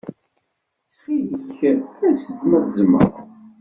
Ttxil-k as-d ma tzemreḍ.